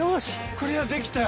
クリアできたよ！